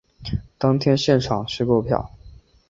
当天现场须购票